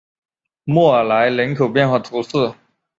莫尔莱人口变化图示